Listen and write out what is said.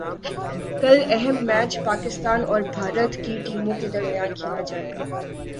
کل اہم میچ پاکستان اور بھارت کی ٹیموں کے درمیان کھیلا جائے گا